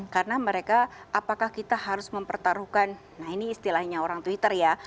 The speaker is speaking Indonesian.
karena mereka apakah kita harus mempertaruhkan nah ini istilahnya orang twitter ya